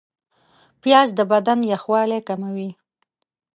پیاز د بدن یخوالی کموي